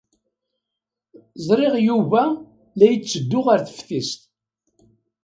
Ẓriɣ Yuba la yetteddu ɣer teftist.